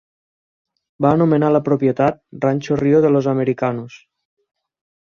Va anomenar la propietat "Rancho Rio de los Americanos".